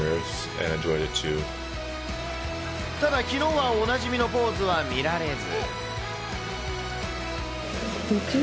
ただ、きのうはおなじみのポーズは見られず。